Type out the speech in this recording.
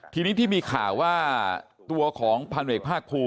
ตอนนี้ได้ประกันตัวไปแล้วก็ไม่ได้ติดต่อเลย